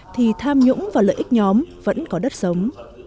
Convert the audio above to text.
thì tham nhũng và lợi ích nhóm vẫn có đất sống